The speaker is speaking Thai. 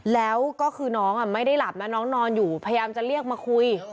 แล้วก็คือน้องไม่ได้หลับนะน้องนอนอยู่พยายามจะเรียกมาคุย